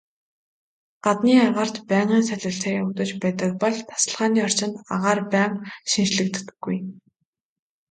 Гаднын агаарт байнгын солилцоо явагдаж байдаг бол тасалгааны орчинд агаар байнга шинэчлэгддэггүй.